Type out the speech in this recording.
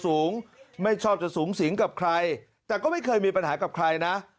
สูงไม่ชอบจะสูงสิงกับใครแต่ก็ไม่เคยมีปัญหากับใครนะ